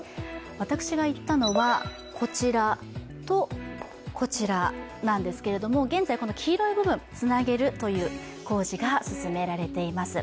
私が行ったのは、こちらとこちらなんですけれども、現在黄色い部分、つなげるという工事が進められています。